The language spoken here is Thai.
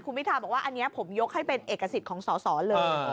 คุณพิทาบอกว่าอันนี้ผมยกให้เป็นเอกสิทธิ์ของสอสอเลย